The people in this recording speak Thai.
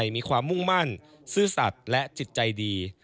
มีความมุ่งมั่นซื่อสัตว์และจิตใจดี